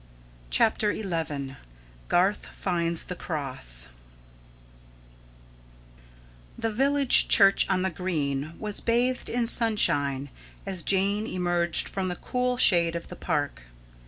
CHAPTER XI GARTH FINDS THE CROSS The village church on the green was bathed in sunshine as Jane emerged from the cool shade of the park.